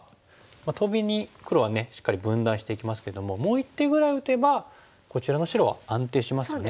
トビに黒はしっかり分断していきますけどももう一手ぐらい打てばこちらの白は安定しますよね。